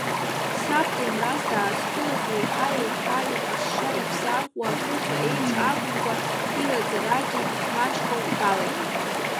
Саб Ҭемраз даазқәылаз еиҳа-еиҳа иҟазшьа иԥсахуа, ԥыхьа еиԥш акәымкәа, илаӡарагьы маҷхо далагеит.